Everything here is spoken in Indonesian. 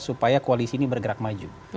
supaya koalisi ini bergerak maju